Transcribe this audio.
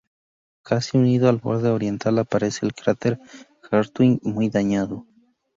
Casi unido al borde oriental aparece el cráter Hartwig, muy dañado.